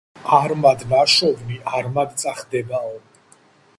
არმად ნაშოვნი არმად წახდებაო